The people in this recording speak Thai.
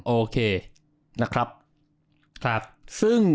โอเค